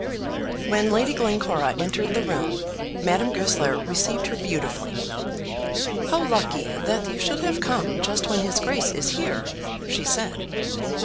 When Lady Glencora entered the room, Madame Goesler received her beautifully. "How lucky that you should have come just when his Grace is here!" she said.